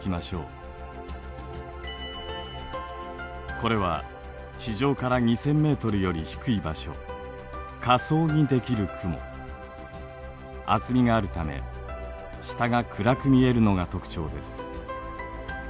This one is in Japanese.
これは地上から２，０００ｍより低い場所厚みがあるため下が暗く見えるのが特徴です。